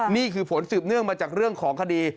นี่คือผลสืบเนื่องมาจากเรื่องของคดี